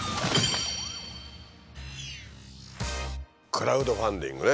クラウドファンディングね。